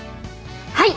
はい。